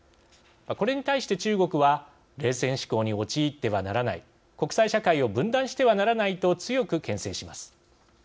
これに対して中国は冷戦思考に陥ってはならない国際社会を分断してはならないと強くけん制します。